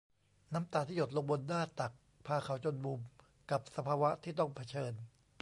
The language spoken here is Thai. น้ำตาที่หยดลงบนหน้าตัก พาเขาจนมุมกับสภาวะที่ต้องเผชิญ